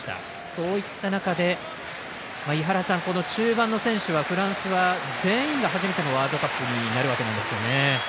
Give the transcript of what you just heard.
そういった中で、中盤の選手はフランスは全員が初めてのワールドカップになるわけなんですよね。